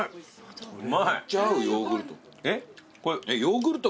めっちゃ合うヨーグルト。